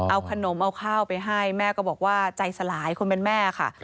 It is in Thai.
เอาขนมเอาข้าวไปให้แม่ก็บอกว่าใจสลายคนเป็นแม่ค่ะ